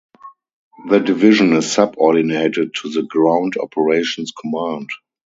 The division is subordinated to the Ground Operations Command.